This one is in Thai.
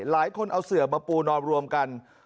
หลายคนเอาเสือมาปูนอนรวมกัน